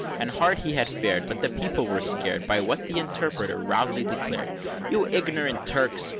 XL. And hard he had fared, But the people were scared By what the Interpreter roundly declared; "You ignorant Turks!